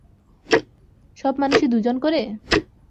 সব মানুষই দু জন করে?